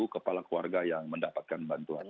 kepala keluarga yang mendapatkan bantuan